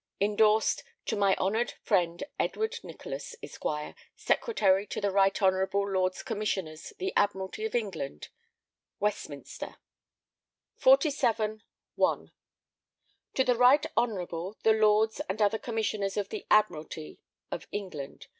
(Endorsed) To my honoured friend Edward Nicholas, Esquire, Secretary to the right honourable Lords Commissioners of the Admiralty of England these Westminster. 47 I. To the right honourable the lords and other Commissioners of the Admiralty of England.